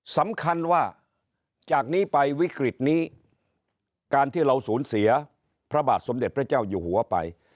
สำคัญว่าจากนี้ไปวิกฤตนี้การที่เราสูญเสียพระบาทสมเด็จพระเจ้าอยู่หัวไป